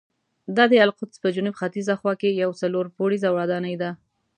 دا د القدس په جنوب ختیځه خوا کې یوه څلور پوړیزه ودانۍ ده.